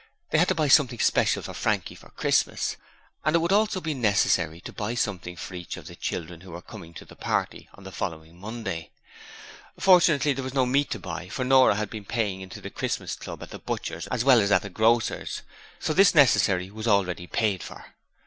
They had to buy something special for Frankie for Christmas, and it would also be necessary to buy something for each of the children who were coming to the party on the following Monday. Fortunately, there was no meat to buy, for Nora had been paying into the Christmas Club at the butcher's as well as at the grocer's. So this necessary was already paid for.